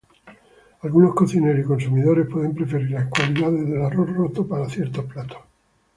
Algunos cocineros y consumidores puede preferir las cualidades del arroz roto para ciertos platos.